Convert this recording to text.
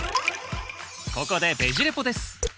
ここでベジ・レポです。